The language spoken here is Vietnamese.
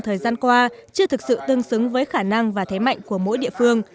thời gian qua chưa thực sự tương xứng với khả năng và thế mạnh của mỗi địa phương